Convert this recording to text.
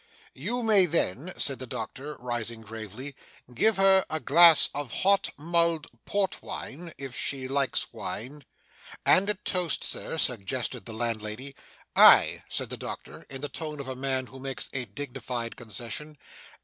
'You may then,' said the doctor, rising gravely, 'give her a glass of hot mulled port wine, if she likes wine ' 'And a toast, Sir?' suggested the landlady. 'Ay,' said the doctor, in the tone of a man who makes a dignified concession.